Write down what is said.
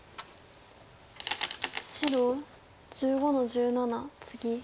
白１５の十七ツギ。